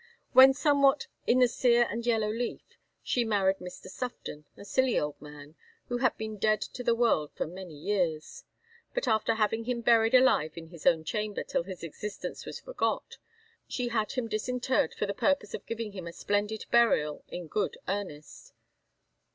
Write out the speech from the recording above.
When somewhat 'in the sear and yellow leaf' she married Mr. Sufton, a silly old man, who had been dead to the world for many years. But after having had him buried alive in his own chamber till his existence was forgot, she had him disinterred for the purpose of giving him a splendid burial in good earnest.